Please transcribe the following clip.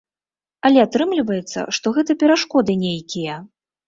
Але атрымліваецца, што гэта перашкоды нейкія.